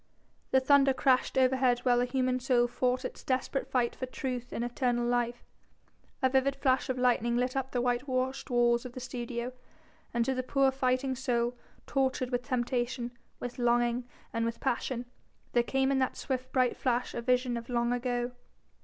The thunder crashed overhead while a human soul fought its desperate fight for truth and eternal life. A vivid flash of lightning lit up the white washed walls of the studio, and to the poor fighting soul, tortured with temptation, with longing and with passion, there came in that swift bright flash a vision of long ago.